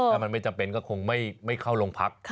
ถ้ามันไม่จำเป็นก็คงไม่เข้าโรงพัก